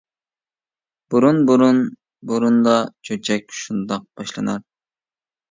-بۇرۇن، بۇرۇن، بۇرۇندا. چۆچەك شۇنداق باشلىنار.